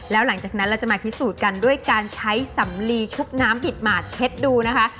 แล้วหลังจากนั้นเราจะมาพิสูจน์กันด้วยการใช้สำลีชุบน้ำบิดหมาดเช็ดดูนะคะ